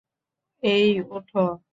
এই, ওঠো।